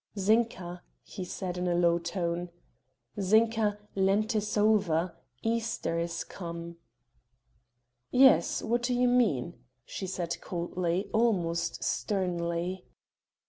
"Zinka," he said in a low tone, "Zinka Lent is over Easter is come." "Yes? what do you mean?" she said coldly, almost sternly.